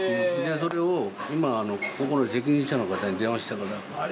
それを今そこの責任者の方に電話したから。